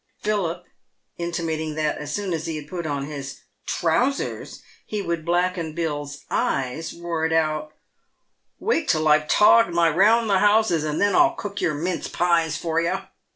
Philip intimating that, as soon as he had put on his trousers, he would blacken Pill's eyes, roared out, " Wait till I've togged my ' round the houses,' and then I'll cook your * mince pies' for you."